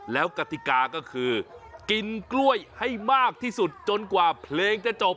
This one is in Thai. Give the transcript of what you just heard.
แล้วกติกาก็คือกินกล้วยให้มากที่สุดจนกว่าเพลงจะจบ